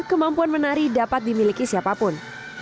kemampuan menari dapat dimiliki siapapun